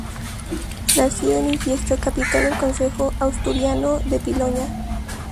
Nació en Infiesto, capital del concejo asturiano de Piloña.